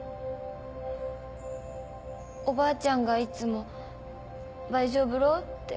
おばあちゃんがいつも「ばいじょうぶろ」って。